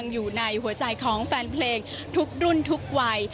อยู่ในหัวใจของแฟนเพลงทุกรุ่นทุกวัย